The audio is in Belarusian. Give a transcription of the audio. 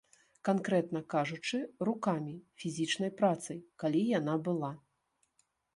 Канкрэтна кажучы, рукамі, фізічнай працай, калі яна была.